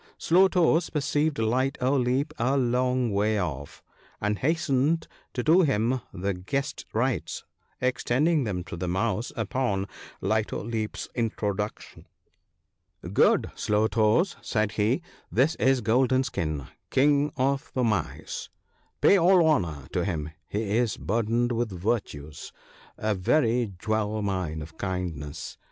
Slow toes perceived Light o' Leap a long way off, and hastened to do him the guest rites, extending them to the Mouse upon Light o' Leap's introduction. ' Good Slow toes,' said he, ' this is Golden skin, King of the Mice, — pay all honour to him,— he is burdened with virtues — a very jewel mine of kindnesses.